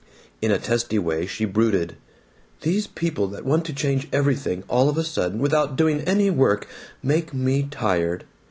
In a testy way she brooded, "These people that want to change everything all of a sudden without doing any work, make me tired!